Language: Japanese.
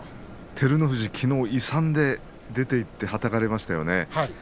照ノ富士は、きのう勇んで出ていってはたかれましたよね。